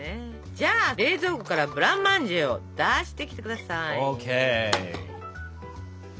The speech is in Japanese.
じゃあ冷蔵庫からブランマンジェを出してきてください。ＯＫ！